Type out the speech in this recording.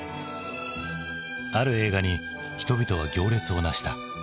ある映画に人々は行列をなした。